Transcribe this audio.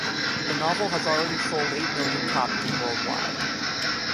The novel has already sold eight million copies worldwide.